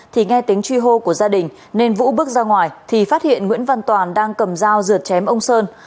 thì nghe tính truy hô của gia đình nên vũ bước ra ngoài thì phát hiện nguyễn văn toàn đang cầm dao dựa chém ông sơn